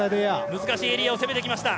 難しいエリアを攻めてきました。